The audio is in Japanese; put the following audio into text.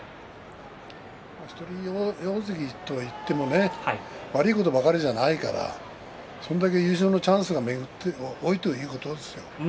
１人大関といってもね悪いことばかりじゃないからそれだけ優勝のチャンスが多いということですよ。